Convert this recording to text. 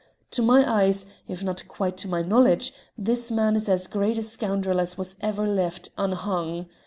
To my eyes, if not quite to my knowledge, this man is as great a scoundrel as was ever left unhung.